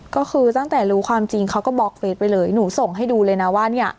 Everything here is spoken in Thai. ก็คือตั้งแต่รู้ความจริงเขาก็บล็อกเฟสไปเลยหนูส่งให้ดูเลยนะว่าเนี่ย